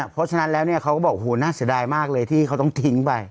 เพราะฉะนั้นแล้วเนี่ยเขาก็บอกโหน่าเสียดายมากเลยที่เขาต้องทิ้งไป